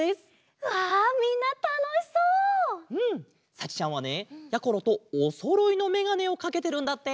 さちちゃんはねやころとおそろいのめがねをかけてるんだって！